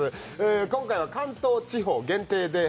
今回は関東地方限定で「＃